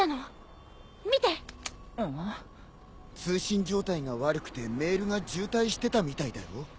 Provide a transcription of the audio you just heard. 通信状態が悪くてメールが渋滞してたみたいだよ。